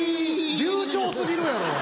流ちょう過ぎるやろう！